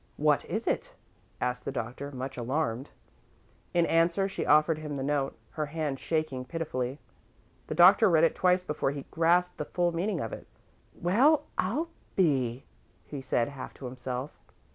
"What is it?" asked the Doctor, much alarmed. In answer, she offered him the note, her hand shaking pitifully. The Doctor read it twice before he grasped the full meaning of it. "Well, I'll be " he said, half to himself.